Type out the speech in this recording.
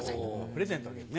プレゼントあげるね。